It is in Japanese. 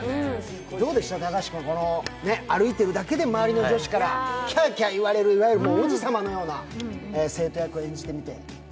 どうですか高橋君、歩いてるだけで周りの女子からキャーキャー言われるいわゆる王子様のような生徒役を演じてみて。